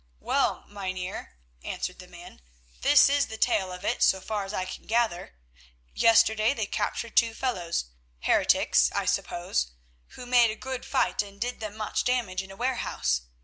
"Well, Mynheer," answered the man, "this is the tale of it so far as I can gather. Yesterday they captured two fellows, heretics I suppose, who made a good fight and did them much damage in a warehouse.